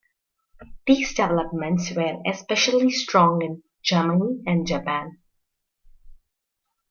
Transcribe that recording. These developments were especially strong in Germany and Japan.